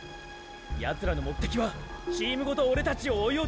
ヤツらの目的はチームごとオレたちを追い落とすことだ。